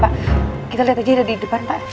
pak kita lihat aja ada di depan pak